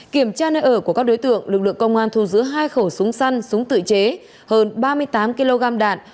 kiểm tra nơi ở của các đối tượng lực lượng công an thu giữ hai khẩu súng săn súng tự chế hơn ba mươi tám kg đạn